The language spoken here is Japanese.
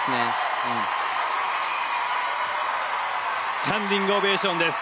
スタンディングオベーションです。